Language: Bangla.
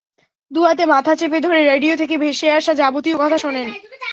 দুহাতে মাথা চেপে ধরে রেডিও থেকে ভেসে আসা যাবতীয় কথা শোনেন।